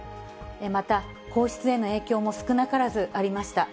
また皇室への影響も少なからずありました。